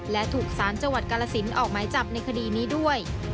และถูกสารจังหวัดกาลสินออกหมายจับในคดีนี้ด้วย